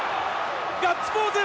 ガッツポーズ！